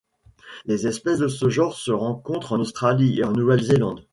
Les espèces de ce genre se rencontrent en Australie et en Nouvelle-Zélande.